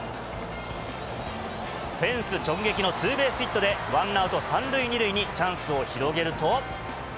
フェンス直撃のツーベースヒットで、ワンアウト３塁２塁にチャンスを広げると。